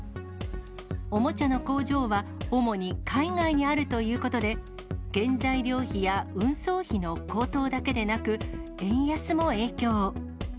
おもちゃの工場は、主に海外にあるということで、原材料費や運送費の高騰だけでなく、円安も影響。